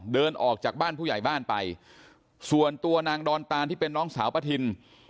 เดินออกจากบ้านผู้ใหญ่บ้านไปส่วนตัวนางดอนตานที่เป็นน้องสาวป้าทิน